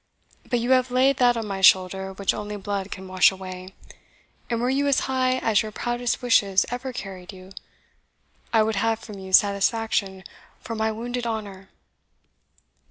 But you have laid that on my shoulder which only blood can wash away; and were you as high as your proudest wishes ever carried you, I would have from you satisfaction for my wounded honour."